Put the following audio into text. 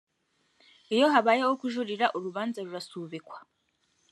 iyo habayeho kujuririra urubanza rurasubikwa